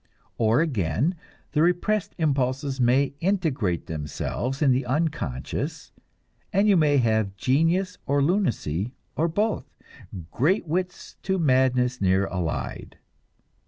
Or again, the repressed impulses may integrate themselves in the unconscious, and you may have genius or lunacy or both "great wits to madness near allied."